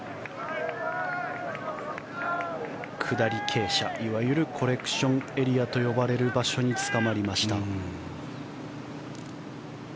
下り傾斜いわゆるコレクションエリアといわれる場所につかまりました。